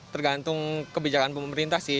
tergantung kebijakan pemerintah sih